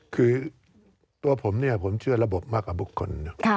คือตัวผมเนี่ยผมเชื่อระบบมากกว่าบุคคลนะ